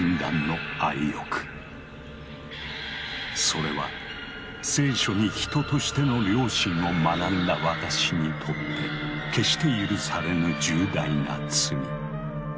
それは「聖書」に人としての良心を学んだ私にとって決して許されぬ重大な罪。